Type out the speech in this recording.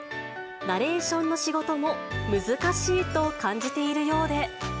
ナレーションの仕事も難しいと感じているようで。